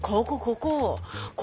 ここ？